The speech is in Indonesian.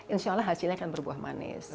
insya allah hasilnya akan berbuah manis